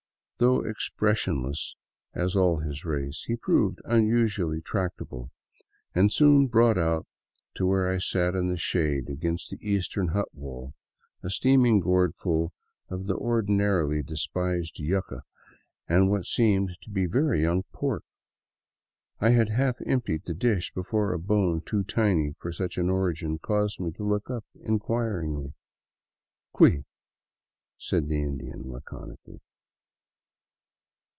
Though expressionless as all his race, he proved unusually tract able, and soon brought out to where I sat in the shade against the eastern hut wall a steaming gourdful of the ordinarily despised yuca, and what seemed to be very young pork. I had half emptied the dish before a bone too tiny for such an origin caused me to look up inquir ingly. " Cui," said the Indian laconically.